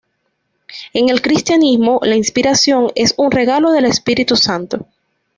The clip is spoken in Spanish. En el cristianismo, la inspiración es un regalo del Espíritu Santo.